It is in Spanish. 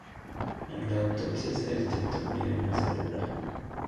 En la autopsia se detectó un edema cerebral.